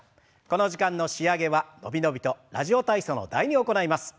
この時間の仕上げは伸び伸びと「ラジオ体操」の「第２」を行います。